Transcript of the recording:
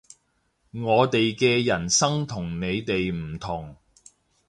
我哋嘅人生同你哋唔同